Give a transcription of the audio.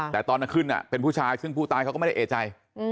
แต่ตอนมาขึ้นเป็นผู้ชายซึ่งผู้ตายเขาก็ไม่ได้เอกใจ